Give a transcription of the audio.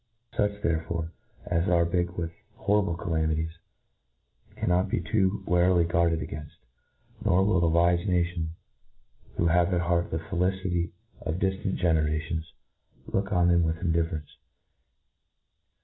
Such, thei^eforc, ^s are big with hoirrible calamities, cannot be tpo warily guarded againft j nor will a wife nation, who have at heart the felicity of diftant generations, look on them with indiffer ence.